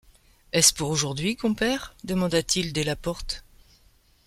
est-ce pour aujourd’hui, compère ? demanda-t-il, dès la porte.